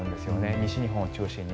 西日本を中心に。